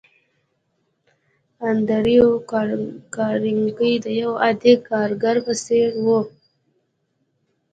انډريو کارنګي د يوه عادي کارګر په څېر و.